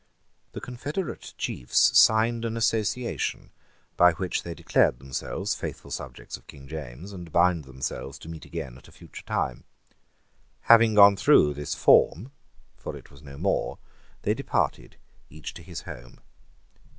The confederate chiefs signed an association by which they declared themselves faithful subjects of King James, and bound themselves to meet again at a future time. Having gone through this form, for it was no more, they departed, each to his home.